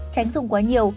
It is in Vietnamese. tránh dùng quá nhiều